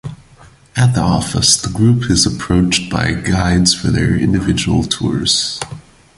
At the office, the group is approached by guides for their individual tours.